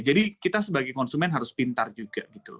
jadi kita sebagai konsumen harus pintar juga